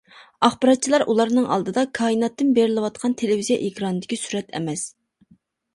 ئاخباراتچىلار، ئۇلارنىڭ ئالدىدا كائىناتتىن بېرىلىۋاتقان تېلېۋىزىيە ئېكرانىدىكى سۈرەت ئەمەس.